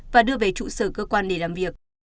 và đưa về trụ sở cơ quan để làm việc